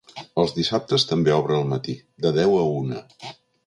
Els dissabtes també obre al matí, de deu a una.